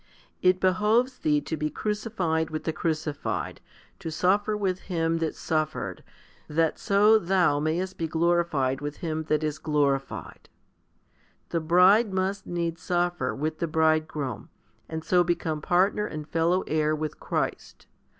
It behoves thee to be crucified with the Crucified, to suffer with Him that suffered, that so thou mayest be glorified with Him that is glorified. The bride must needs suffer with the Bridegroom, and so become partner and fellow heir with Christ.